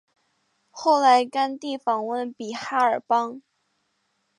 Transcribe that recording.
后来甘地访问比哈尔邦。